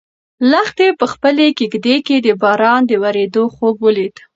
لښتې په خپلې کيږدۍ کې د باران د ورېدو خوب ولید.